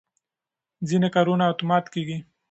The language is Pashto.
ځینې کارونه اتومات کېږي.